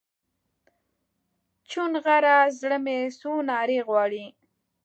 چونغره زړه مې څو نارې غواړي